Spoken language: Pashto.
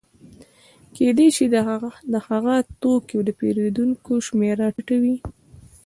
کېدای شي د هغه توکو د پېرودونکو شمېره ټیټه وي